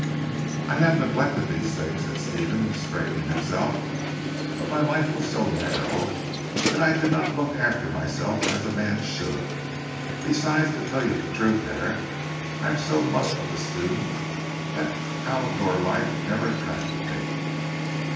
"I have neglected these things," said Stephen straightening himself, "but my life was so narrow, that I did not look after myself as a man should. Besides to tell you the truth Herrick I am so much of the student, that out of door life never attracted me."